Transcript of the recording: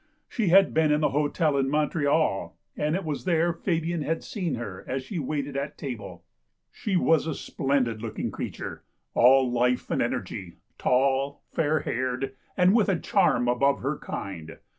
She had been in a hotel in Montreal, and it was there Fabian had seen her as she waited at table. She was THE STORY OF THE LIME BURNER 175 a splendid looking creature — all life and energy, tall, fair haired, and with a charm above her kind.